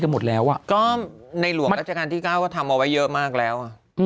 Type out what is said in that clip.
หมดแล้วอ่ะก็ในหลวงราชการที่เก้าก็ทำเอาไว้เยอะมากแล้ว